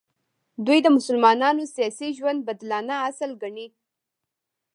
دوی د مسلمانانو سیاسي ژوند بدلانه اصل ګڼي.